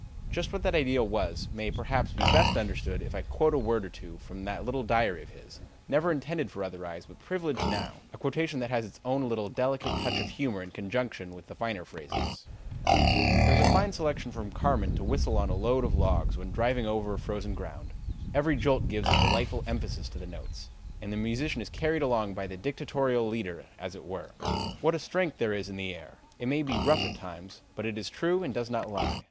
Just what that ideal was may perhaps be best understood if I quote a word or two from that little diary of his, never intended for other eyes but privileged now, a quotation that has its own little, delicate touch of humor in conjunction with the finer phrases: "'There is a fine selection from Carmen to whistle on a load of logs when driving over frozen ground; every jolt gives a delightful emphasis to the notes, and the musician is carried along by the dictatorial leader as it were. What a strength there is in the air! It may be rough at times, but it is true and does not lie.